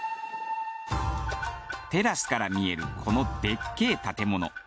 テラスから見えるこのでっけえ建物。